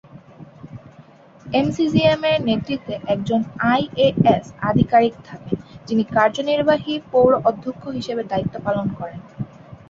এমসিজিএম-এর নেতৃত্বে একজন আইএএস আধিকারিক থাকেন, যিনি কার্যনির্বাহী পৌর অধ্যক্ষ হিসাবে দায়িত্ব পালন করেন।